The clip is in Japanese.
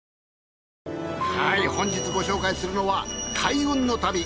はい本日ご紹介するのは開運の旅。